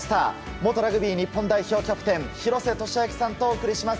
元ラグビー日本代表キャプテン廣瀬俊朗さんとお送りします。